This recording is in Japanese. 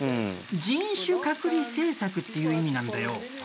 人種隔離政策っていう意味なんだよ。